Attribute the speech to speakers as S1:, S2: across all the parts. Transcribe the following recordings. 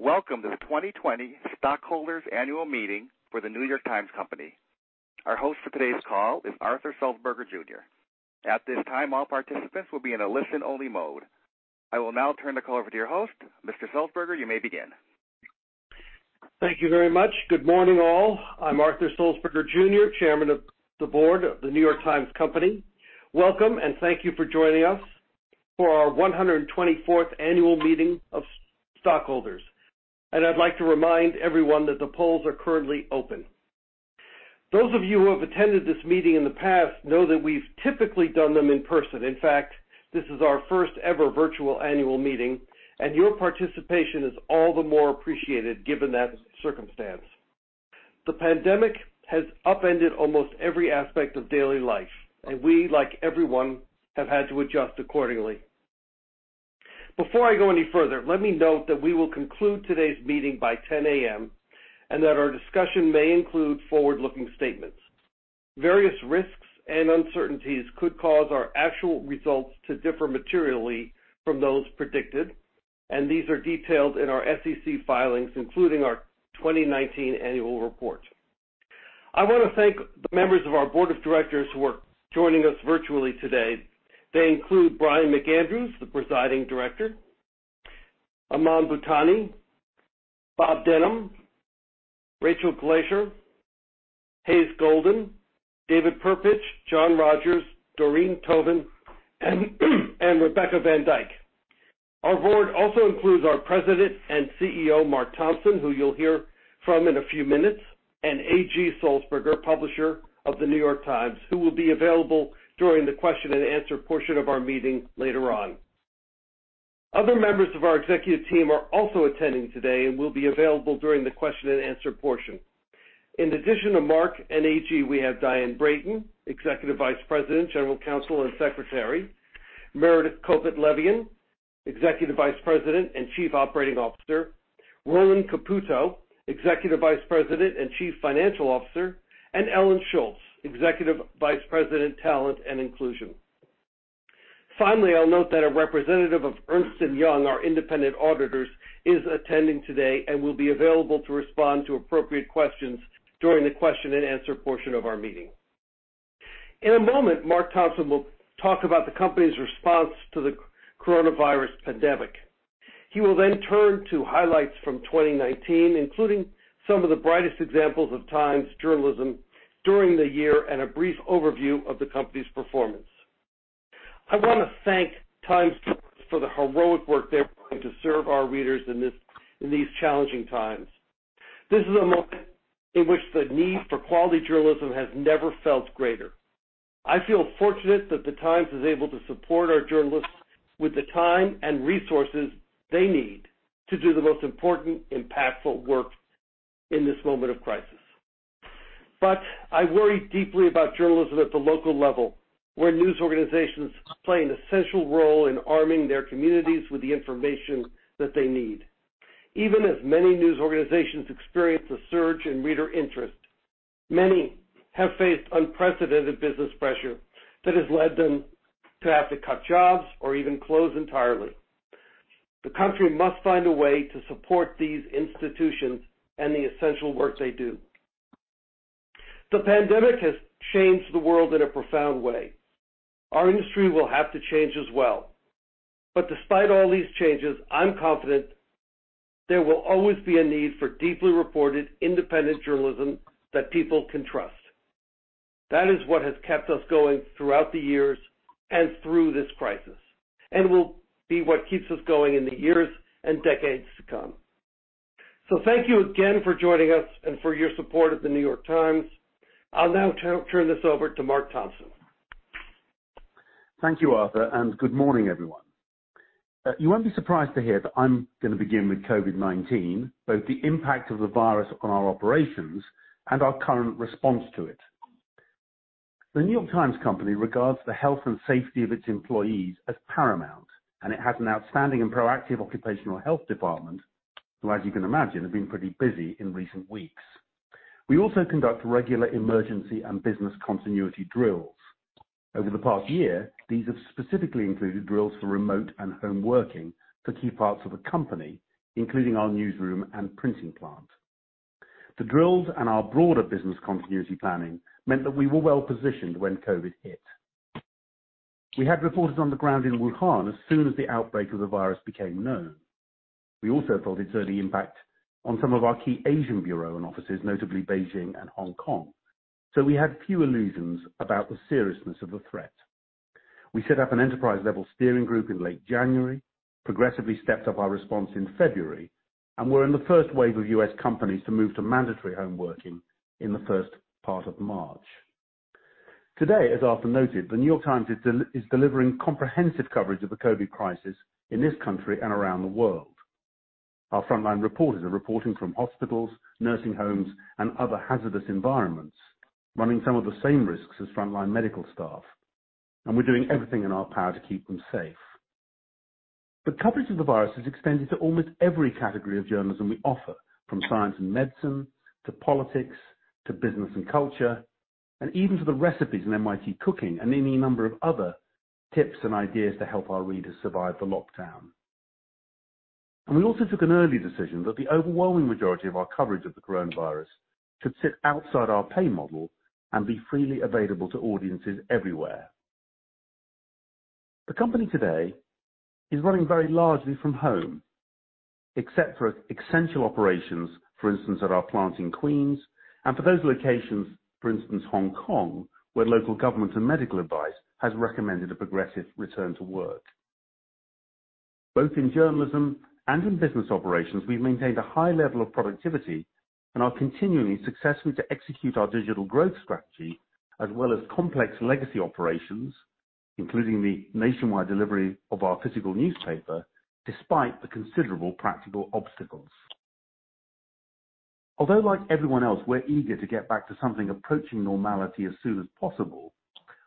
S1: Welcome to the 2020 Stockholders' Annual Meeting for the New York Times Company. Our host for today's call is Arthur Sulzberger, Jr. At this time, all participants will be in a listen-only mode. I will now turn the call over to your host, Mr. Sulzberger. You may begin.
S2: Thank you very much. Good morning, all. I'm Arthur Sulzberger, Jr., Chairman of the Board of The New York Times Company. Welcome, and thank you for joining us for our 124th Annual Meeting of Stockholders. And I'd like to remind everyone that the polls are currently open. Those of you who have attended this meeting in the past know that we've typically done them in person. In fact, this is our first-ever virtual annual meeting, and your participation is all the more appreciated given that circumstance. The pandemic has upended almost every aspect of daily life, and we, like everyone, have had to adjust accordingly. Before I go any further, let me note that we will conclude today's meeting by 10:00 A.M., and that our discussion may include forward-looking statements. Various risks and uncertainties could cause our actual results to differ materially from those predicted, and these are detailed in our SEC filings, including our 2019 Annual Report. I want to thank the members of our Board of Directors who are joining us virtually today. They include Brian McAndrews, the Presiding Director, Aman Bhutani, Rob Denham, Rachel Glaser, Hays Golden, David Perpich, John Rogers, Doreen Toben, and Rebecca Van Dyck. Our Board also includes our President and CEO, Mark Thompson, who you'll hear from in a few minutes, and A. G. Sulzberger, Publisher of the New York Times, who will be available during the question-and-answer portion of our meeting later on. Other members of our executive team are also attending today and will be available during the question-and-answer portion. In addition to Mark and A.G., we have Diane Brayton, Executive Vice President, General Counsel, and Secretary; Meredith Kopit Levien, Executive Vice President and Chief Operating Officer; Roland Caputo, Executive Vice President and Chief Financial Officer; and Ellen Shultz, Executive Vice President, Talent and Inclusion. Finally, I'll note that a representative of Ernst & Young, our independent auditors, is attending today and will be available to respond to appropriate questions during the question-and-answer portion of our meeting. In a moment, Mark Thompson will talk about the company's response to the coronavirus pandemic. He will then turn to highlights from 2019, including some of the brightest examples of Times journalism during the year and a brief overview of the company's performance. I want to thank Times for the heroic work they're willing to serve our readers in these challenging times. This is a moment in which the need for quality journalism has never felt greater. I feel fortunate that the Times is able to support our journalists with the time and resources they need to do the most important, impactful work in this moment of crisis. But I worry deeply about journalism at the local level, where news organizations play an essential role in arming their communities with the information that they need. Even as many news organizations experience a surge in reader interest, many have faced unprecedented business pressure that has led them to have to cut jobs or even close entirely. The country must find a way to support these institutions and the essential work they do. The pandemic has changed the world in a profound way. Our industry will have to change as well. But despite all these changes, I'm confident there will always be a need for deeply reported, independent journalism that people can trust. That is what has kept us going throughout the years and through this crisis, and will be what keeps us going in the years and decades to come. So thank you again for joining us and for your support of the New York Times. I'll now turn this over to Mark Thompson.
S3: Thank you, Arthur, and good morning, everyone. You won't be surprised to hear that I'm going to begin with COVID-19, both the impact of the virus on our operations and our current response to it. The New York Times Company regards the health and safety of its employees as paramount, and it has an outstanding and proactive Occupational Health Department, who, as you can imagine, have been pretty busy in recent weeks. We also conduct regular emergency and business continuity drills. Over the past year, these have specifically included drills for remote and home working for key parts of the company, including our newsroom and printing plant. The drills and our broader business continuity planning meant that we were well positioned when COVID hit. We had reporters on the ground in Wuhan as soon as the outbreak of the virus became known. We also felt its early impact on some of our key Asian bureau and offices, notably Beijing and Hong Kong, so we had few illusions about the seriousness of the threat. We set up an enterprise-level steering group in late January, progressively stepped up our response in February, and were in the first wave of U.S. companies to move to mandatory home working in the first part of March. Today, as Arthur noted, the New York Times is delivering comprehensive coverage of the COVID crisis in this country and around the world. Our frontline reporters are reporting from hospitals, nursing homes, and other hazardous environments, running some of the same risks as frontline medical staff, and we're doing everything in our power to keep them safe. The coverage of the virus has extended to almost every category of journalism we offer, from science and medicine to politics to business and culture, and even to the recipes in NYT Cooking and any number of other tips and ideas to help our readers survive the lockdown. And we also took an early decision that the overwhelming majority of our coverage of the coronavirus should sit outside our pay model and be freely available to audiences everywhere. The company today is running very largely from home, except for essential operations, for instance, at our plant in Queens, and for those locations, for instance, Hong Kong, where local government and medical advice has recommended a progressive return to work. Both in journalism and in business operations, we've maintained a high level of productivity and are continuing successfully to execute our digital growth strategy as well as complex legacy operations, including the nationwide delivery of our physical newspaper, despite the considerable practical obstacles. Although, like everyone else, we're eager to get back to something approaching normality as soon as possible,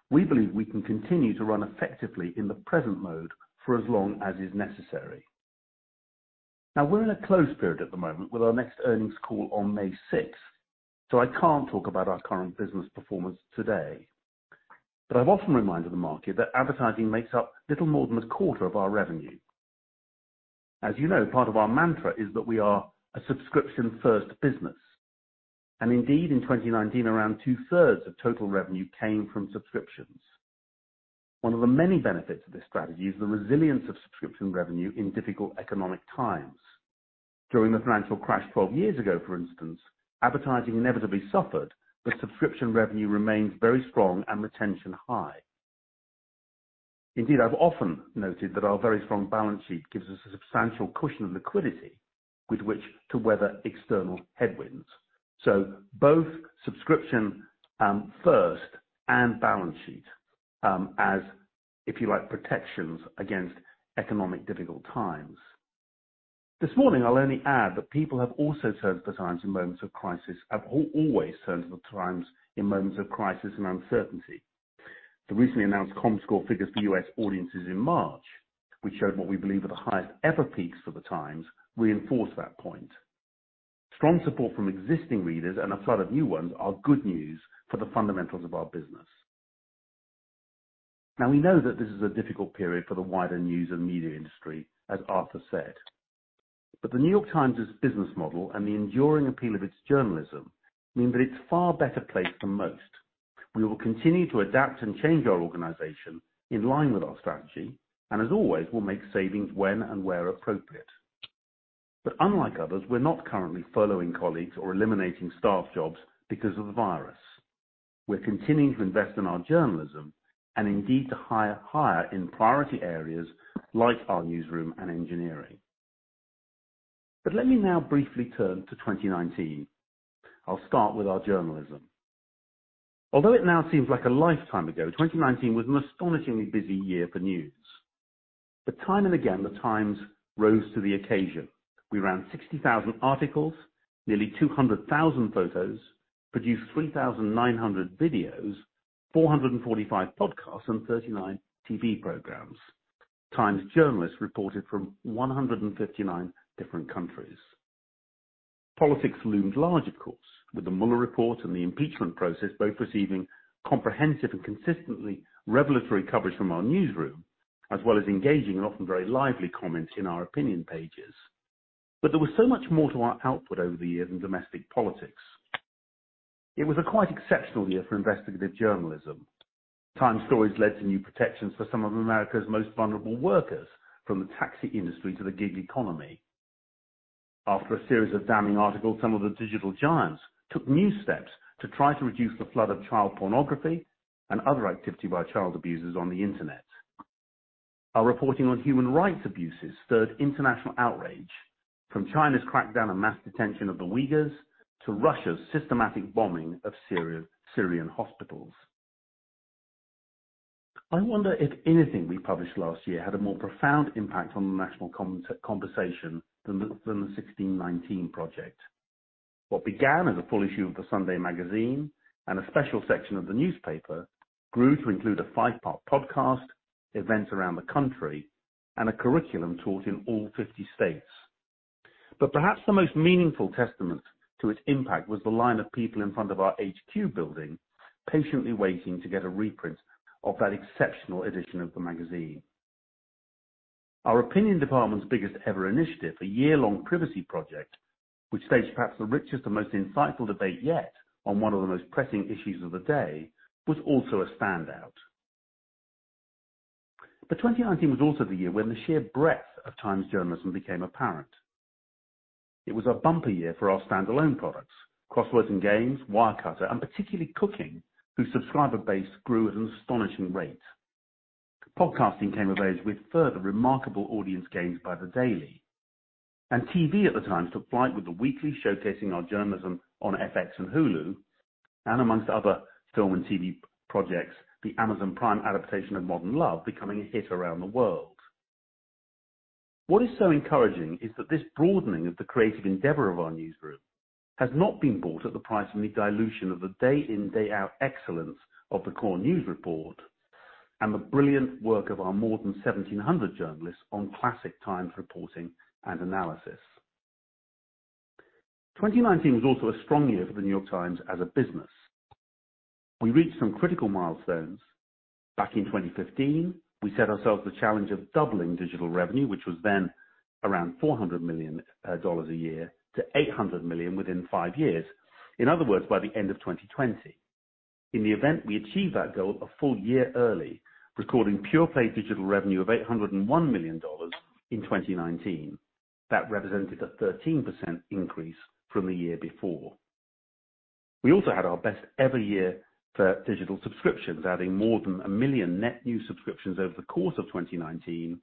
S3: we believe we can continue to run effectively in the present mode for as long as is necessary. Now, we're in a quiet period at the moment with our next earnings call on May 6, so I can't talk about our current business performance today. But I've often reminded the market that advertising makes up little more than a quarter of our revenue. As you know, part of our mantra is that we are a subscription-first business, and indeed, in 2019, around two-thirds of total revenue came from subscriptions. One of the many benefits of this strategy is the resilience of subscription revenue in difficult economic times. During the financial crash 12 years ago, for instance, advertising inevitably suffered, but subscription revenue remained very strong and retention high. Indeed, I've often noted that our very strong balance sheet gives us a substantial cushion of liquidity with which to weather external headwinds. So both subscription-first and balance sheet as, if you like, protections against economic difficult times. This morning, I'll only add that people have also turned to The Times in moments of crisis. I've always turned to The Times in moments of crisis and uncertainty. The recently announced comScore figures for U.S. audiences in March, which showed what we believe are the highest-ever peaks for The Times, reinforce that point. Strong support from existing readers and a flood of new ones are good news for the fundamentals of our business. Now, we know that this is a difficult period for the wider news and media industry, as Arthur said. But The New York Times' business model and the enduring appeal of its journalism mean that it's far better placed than most. We will continue to adapt and change our organization in line with our strategy, and as always, we'll make savings when and where appropriate. But unlike others, we're not currently furloughing colleagues or eliminating staff jobs because of the virus. We're continuing to invest in our journalism and indeed to hire higher in priority areas like our newsroom and engineering. But let me now briefly turn to 2019. I'll start with our journalism. Although it now seems like a lifetime ago, 2019 was an astonishingly busy year for news. But time and again, The Times rose to the occasion. We ran 60,000 articles, nearly 200,000 photos, produced 3,900 videos, 445 podcasts, and 39 TV programs. Times journalists reported from 159 different countries. Politics loomed large, of course, with the Mueller Report and the impeachment process both receiving comprehensive and consistently revelatory coverage from our newsroom, as well as engaging in often very lively comments in our opinion pages. But there was so much more to our output over the years than domestic politics. It was a quite exceptional year for investigative journalism. Times stories led to new protections for some of America's most vulnerable workers, from the taxi industry to the gig economy. After a series of damning articles, some of the digital giants took new steps to try to reduce the flood of child pornography and other activity by child abusers on the internet. Our reporting on human rights abuses stirred international outrage, from China's crackdown and mass detention of the Uyghurs to Russia's systematic bombing of Syrian hospitals. I wonder if anything we published last year had a more profound impact on the national conversation than the 1619 Project. What began as a full issue of the Sunday magazine and a special section of the newspaper grew to include a five-part podcast, events around the country, and a curriculum taught in all 50 states. But perhaps the most meaningful testament to its impact was the line of people in front of our HQ building patiently waiting to get a reprint of that exceptional edition of the magazine. Our Opinion Department's biggest-ever initiative, a year-long Privacy Project, which staged perhaps the richest and most insightful debate yet on one of the most pressing issues of the day, was also a standout. But 2019 was also the year when the sheer breadth of Times journalism became apparent. It was a bumper year for our standalone products, Crosswords and Games, Wirecutter, and particularly Cooking, whose subscriber base grew at an astonishing rate. Podcasting came of age with further remarkable audience gains by The Daily. And TV at the time took flight, with The Weekly showcasing our journalism on FX and Hulu, and amongst other film and TV projects, the Amazon Prime adaptation of Modern Love becoming a hit around the world. What is so encouraging is that this broadening of the creative endeavor of our newsroom has not been bought at the price of the dilution of the day-in, day-out excellence of the core news report and the brilliant work of our more than 1,700 journalists on classic Times reporting and analysis. 2019 was also a strong year for the New York Times as a business. We reached some critical milestones. Back in 2015, we set ourselves the challenge of doubling digital revenue, which was then around $400 million a year, to $800 million within five years, in other words, by the end of 2020. In the event we achieved that goal a full year early, recording pure-play digital revenue of $801 million in 2019. That represented a 13% increase from the year before. We also had our best-ever year for digital subscriptions, adding more than a million net new subscriptions over the course of 2019,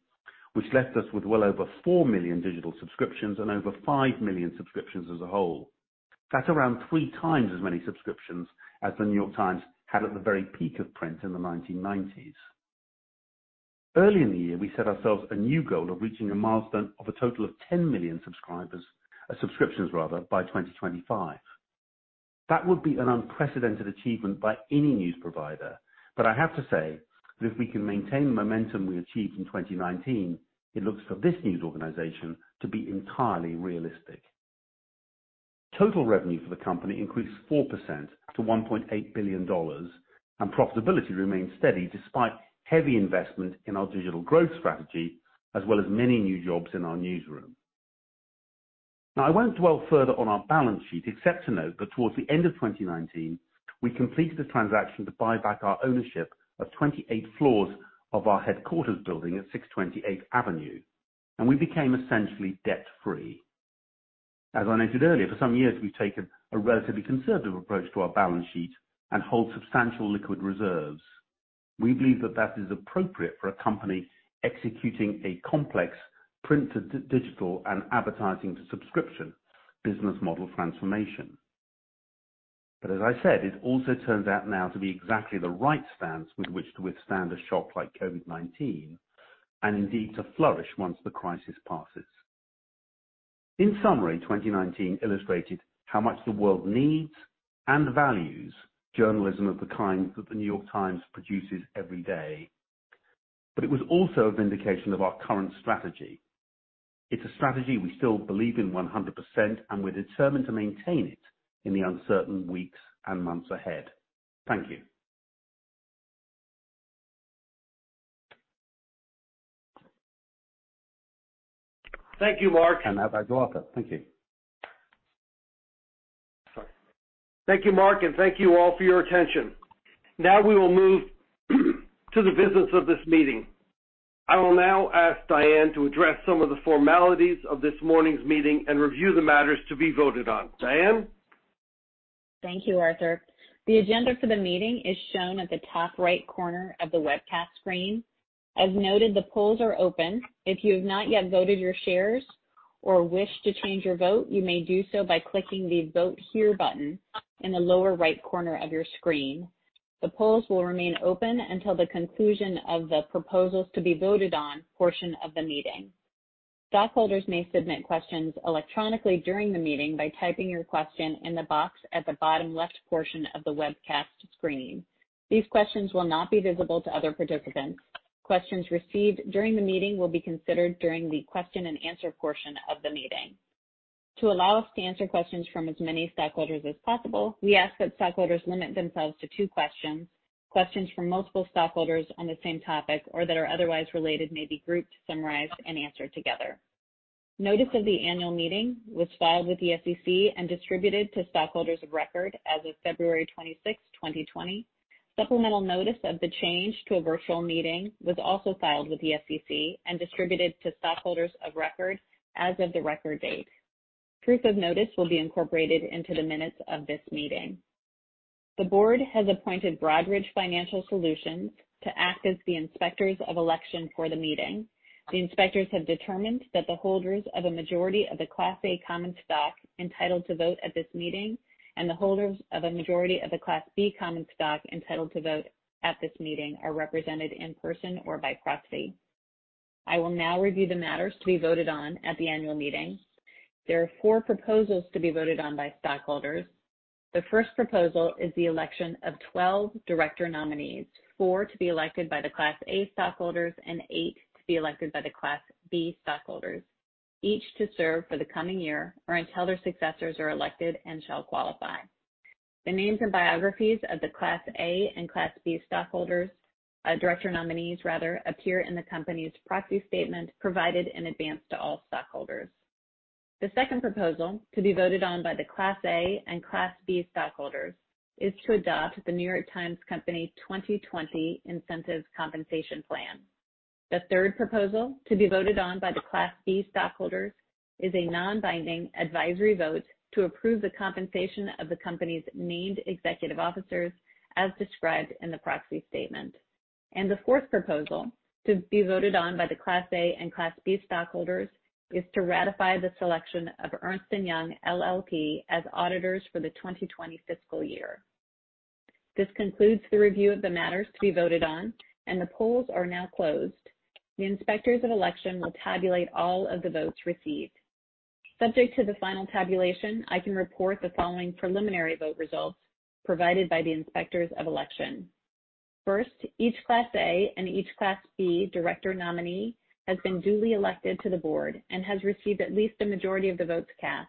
S3: which left us with well over 4 million digital subscriptions and over 5 million subscriptions as a whole. That's around three times as many subscriptions as the New York Times had at the very peak of print in the 1990s. Early in the year, we set ourselves a new goal of reaching a milestone of a total of 10 million subscribers, subscriptions rather, by 2025. That would be an unprecedented achievement by any news provider, but I have to say that if we can maintain the momentum we achieved in 2019, it looks for this news organization to be entirely realistic. Total revenue for the company increased 4% to $1.8 billion, and profitability remained steady despite heavy investment in our digital growth strategy, as well as many new jobs in our newsroom. Now, I won't dwell further on our balance sheet except to note that towards the end of 2019, we completed a transaction to buy back our ownership of 28 floors of our headquarters building at 620 Eighth Avenue, and we became essentially debt-free. As I noted earlier, for some years, we've taken a relatively conservative approach to our balance sheet and hold substantial liquid reserves. We believe that that is appropriate for a company executing a complex print-to-digital and advertising-to-subscription business model transformation. But as I said, it also turns out now to be exactly the right stance with which to withstand a shock like COVID-19 and indeed to flourish once the crisis passes. In summary, 2019 illustrated how much the world needs and values journalism of the kind that The New York Times produces every day. But it was also a vindication of our current strategy. It's a strategy we still believe in 100%, and we're determined to maintain it in the uncertain weeks and months ahead. Thank you.
S2: Thank you, Mark.
S3: As I do, Arthur. Thank you.
S2: Thank you, Mark, and thank you all for your attention. Now, we will move to the business of this meeting. I will now ask Diane to address some of the formalities of this morning's meeting and review the matters to be voted on. Diane?
S4: Thank you, Arthur. The agenda for the meeting is shown at the top right corner of the webcast screen. As noted, the polls are open. If you have not yet voted your shares or wish to change your vote, you may do so by clicking the Vote Here button in the lower right corner of your screen. The polls will remain open until the conclusion of the proposals to be voted on portion of the meeting. Stockholders may submit questions electronically during the meeting by typing your question in the box at the bottom left portion of the webcast screen. These questions will not be visible to other participants. Questions received during the meeting will be considered during the question-and-answer portion of the meeting. To allow us to answer questions from as many stockholders as possible, we ask that stockholders limit themselves to two questions. Questions from multiple stockholders on the same topic or that are otherwise related may be grouped, summarized, and answered together. Notice of the annual meeting was filed with the SEC and distributed to stockholders of record as of February 26, 2020. Supplemental notice of the change to a virtual meeting was also filed with the SEC and distributed to stockholders of record as of the record date. Proof of notice will be incorporated into the minutes of this meeting. The Board has appointed Broadridge Financial Solutions to act as the inspectors of election for the meeting. The inspectors have determined that the holders of a majority of the Class A Common Stock entitled to vote at this meeting and the holders of a majority of the Class B Common Stock entitled to vote at this meeting are represented in person or by proxy. I will now review the matters to be voted on at the annual meeting. There are four proposals to be voted on by stockholders. The first proposal is the election of 12 director nominees, four to be elected by the Class A stockholders and eight to be elected by the Class B stockholders, each to serve for the coming year or until their successors are elected and shall qualify. The names and biographies of the Class A and Class B stockholders, director nominees, rather, appear in the company's Proxy Statement provided in advance to all stockholders. The second proposal to be voted on by the Class A and Class B stockholders is to adopt the New York Times Company 2020 Incentive Compensation Plan. The third proposal to be voted on by the Class B stockholders is a non-binding advisory vote to approve the compensation of the company's named executive officers as described in the proxy statement. And the fourth proposal to be voted on by the Class A and Class B stockholders is to ratify the selection of Ernst & Young LLP as auditors for the 2020 fiscal year. This concludes the review of the matters to be voted on, and the polls are now closed. The inspectors of election will tabulate all of the votes received. Subject to the final tabulation, I can report the following preliminary vote results provided by the inspectors of election. First, each Class A and each Class B director nominee has been duly elected to the board and has received at least the majority of the votes cast.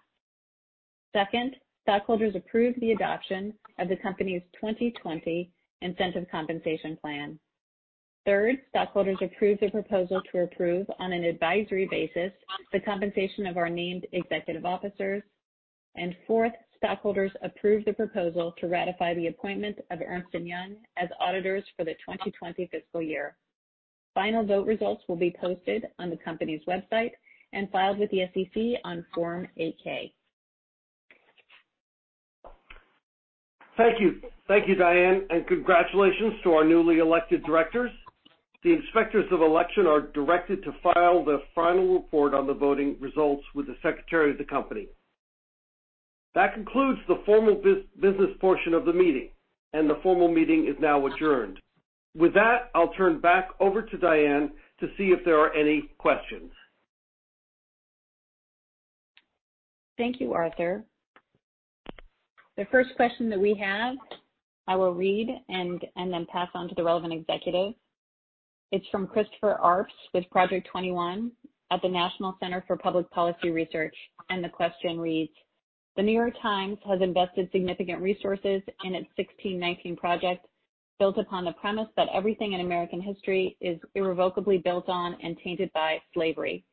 S4: Second, stockholders approved the adoption of the company's 2020 Incentive Compensation Plan. Third, stockholders approved the proposal to approve on an advisory basis the compensation of our named executive officers. Fourth, stockholders approved the proposal to ratify the appointment of Ernst & Young as auditors for the 2020 fiscal year. Final vote results will be posted on the company's website and filed with the SEC on Form 8-K.
S2: Thank you. Thank you, Diane, and congratulations to our newly elected directors. The inspectors of election are directed to file their final report on the voting results with the secretary of the company. That concludes the formal business portion of the meeting, and the formal meeting is now adjourned. With that, I'll turn back over to Diane to see if there are any questions.
S4: Thank you, Arthur. The first question that we have, I will read and then pass on to the relevant executive. It's from Christopher Arps with Project 21 at the National Center for Public Policy Research, and the question reads, "The New York Times has invested significant resources in its 1619 Project built upon the premise that everything in American history is irrevocably built on and tainted by slavery.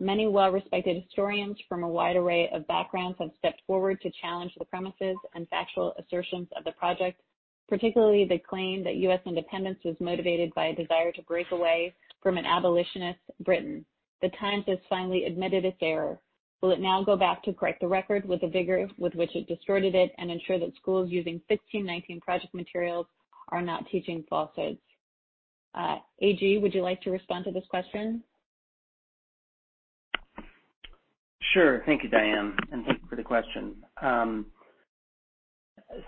S4: Many well-respected historians from a wide array of backgrounds have stepped forward to challenge the premises and factual assertions of the project, particularly the claim that U.S. independence was motivated by a desire to break away from an abolitionist Britain. The Times has finally admitted its error. Will it now go back to correct the record with the vigor with which it destroyed it and ensure that schools using 1619 Project materials are not teaching falsehoods? A.G., would you like to respond to this question?
S5: Sure. Thank you, Diane, and thank you for the question.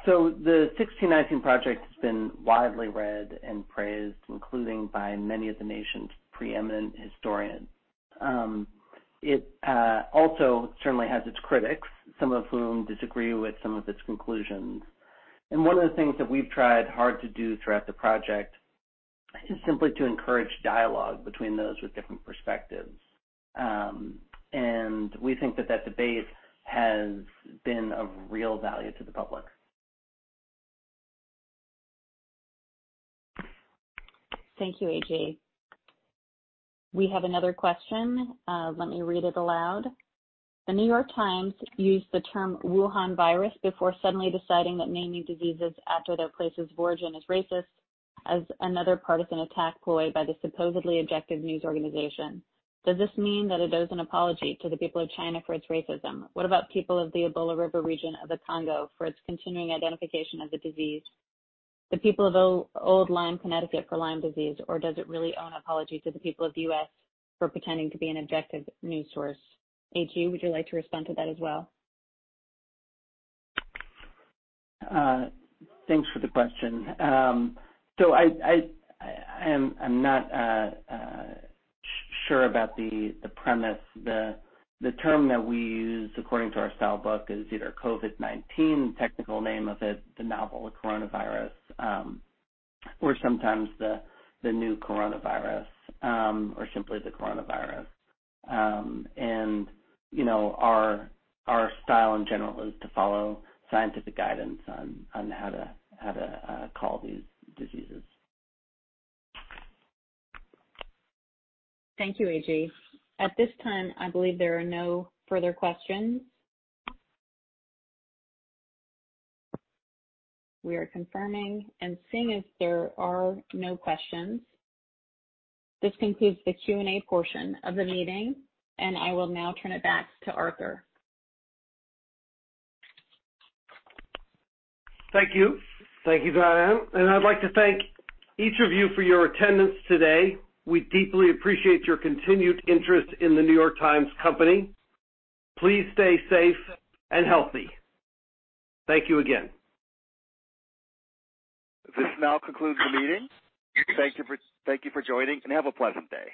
S5: So the 1619 Project has been widely read and praised, including by many of the nation's preeminent historians. It also certainly has its critics, some of whom disagree with some of its conclusions. And one of the things that we've tried hard to do throughout the project is simply to encourage dialogue between those with different perspectives. And we think that that debate has been of real value to the public.
S4: Thank you, A.G. We have another question. Let me read it aloud. "The New York Times used the term Wuhan virus before suddenly deciding that naming diseases after their place's origin is racist as another partisan attack ploy by the supposedly objective news organization. Does this mean that it owes an apology to the people of China for its racism? What about people of the Ebola River region of the Congo for its continuing identification of the disease? The people of Old Lyme, Connecticut for Lyme disease, or does it really owe an apology to the people of the U.S. for pretending to be an objective news source?" A.G., would you like to respond to that as well?
S5: Thanks for the question, so I'm not sure about the premise. The term that we use according to our style book is either COVID-19, the technical name of it, the novel coronavirus, or sometimes the new coronavirus, or simply the coronavirus, and our style in general is to follow scientific guidance on how to call these diseases.
S4: Thank you, A. G. At this time, I believe there are no further questions. We are confirming and seeing if there are no questions. This concludes the Q&A portion of the meeting, and I will now turn it back to Arthur.
S2: Thank you. Thank you, Diane. And I'd like to thank each of you for your attendance today. We deeply appreciate your continued interest in the New York Times Company. Please stay safe and healthy. Thank you again.
S1: This now concludes the meeting. Thank you for joining, and have a pleasant day.